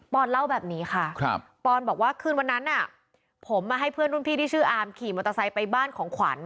อนเล่าแบบนี้ค่ะปอนบอกว่าคืนวันนั้นผมมาให้เพื่อนรุ่นพี่ที่ชื่ออาร์มขี่มอเตอร์ไซค์ไปบ้านของขวัญ